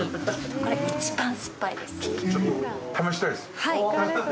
これ一番酸っぱいです。